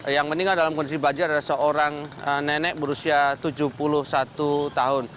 yang meninggal dalam kondisi banjir adalah seorang nenek berusia tujuh puluh satu tahun